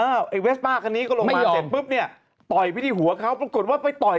ไอ้เวสป้าคันนี้ก็ลงมายืนเสร็จปุ๊บเนี่ยต่อยไปที่หัวเขาปรากฏว่าไปต่อย